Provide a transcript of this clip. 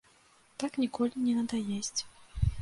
Так ніколі не надаесць.